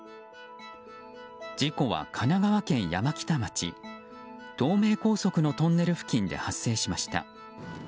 事故は、神奈川県山北町東名高速のトンネル付近で発生しました。